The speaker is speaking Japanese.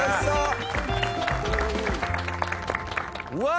うわ！